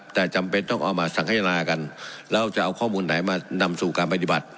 แต่จำเป็นต้องเอามาสังฆนากันแล้วจะเอาข้อมูลไหนมานำสู่การปฏิบัติ